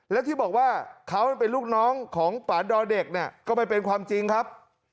และที่บอกว่าเขาเป็นลูกน้องของปานดอเด็กเนี่ยก็ไม่เป็นความจริงครับ